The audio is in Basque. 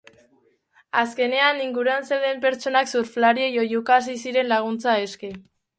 Azkenean, inguruan zeuden pertsonak surflariei oihuka hasi ziren laguntza eske.